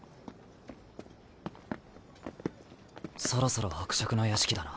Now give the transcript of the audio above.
そろそろ伯爵の屋敷だな。